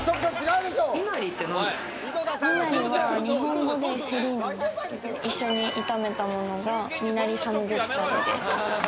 ミナリは日本語でセリなんですけど一緒に炒めたものがミナリサムギョプサルです。